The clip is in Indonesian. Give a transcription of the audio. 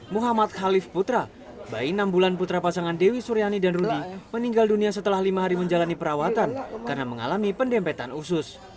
muhammad khalif putra bayi enam bulan putra pasangan dewi suryani dan ruli meninggal dunia setelah lima hari menjalani perawatan karena mengalami pendempetan usus